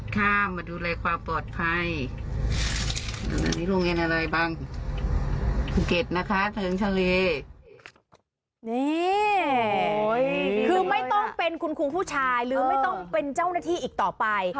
นี่คือไม่ต้องเป็นคุณครูผู้ชายหรือไม่ต้องเป็นเจ้าหน้าที่อีกต่อไป